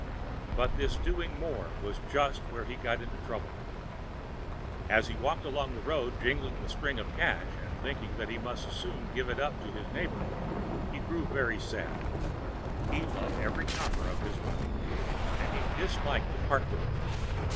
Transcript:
But this doing more was just where he got into trouble. As he walked along the road jingling the string of cash, and thinking that he must soon give it up to his neighbour, he grew very sad. He loved every copper of his money and he disliked to part with it.